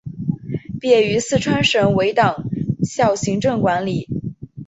毕业于四川省委党校行政管理。